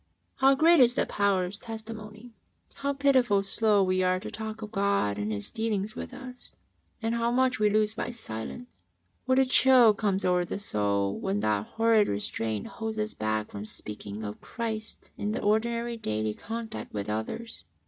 " How great is the power of Testimony I How pitifully slow we are to talk of God and His dealings with us, and how much we lose by silence ! What a chill comes over the soul when that liorrid restraint holds us back from sp>caking of Christ in the ordinary daily contact with others